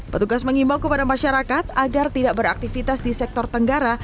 petugas mengimbau kepada masyarakat agar tidak beraktivitas di sektor tenggara